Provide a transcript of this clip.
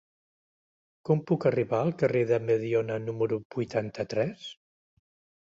Com puc arribar al carrer de Mediona número vuitanta-tres?